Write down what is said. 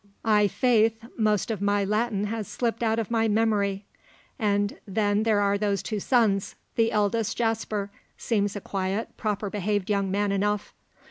I'faith, most of my Latin has slipped out of my memory. And then there are those two sons. The eldest, Jasper, seems a quiet, proper behaved young man enough.